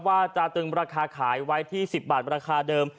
ว่าจะตึงราคาขายไว้ที่๑๐บาทราคาเดิม